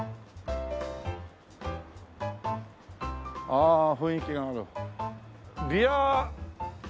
ああ雰囲気がある。